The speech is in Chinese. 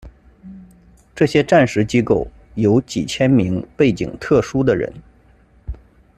这些战时机构有几千名背景特殊的人。